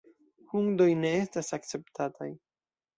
Hundoj ne estas akceptataj.